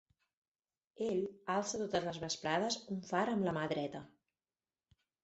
Ell alça totes les vesprades un far amb la mà dreta.